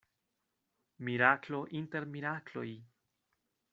Miraklo inter mirakloj.